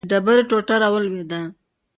د ډبرې ټوټه راولوېده.